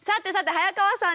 早川さん！